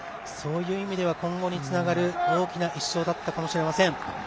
そういう意味では今後につながる大きな１勝だったかもしれません。